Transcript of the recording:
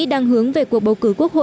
đang hướng về cuộc bầu cử quốc hội